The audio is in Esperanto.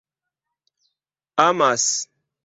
amas